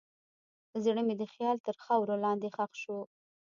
زړه مې د خیال تر خاورو لاندې ښخ شو.